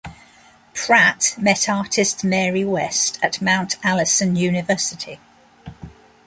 Pratt met artist Mary West, at Mount Allison University.